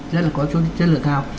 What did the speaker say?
rất là có chất lượng cao